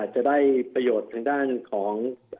จะได้ประโยชน์ทางด้านของ